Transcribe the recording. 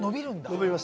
伸びます。